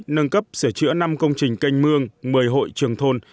nâng cấp sửa chữa năm công trình canh mương một mươi hội trường thôn